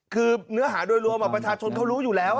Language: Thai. คือเนื้อหาโดยรวมประชาชนเขารู้อยู่แล้ว